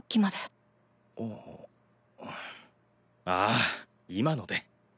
ああ今ので。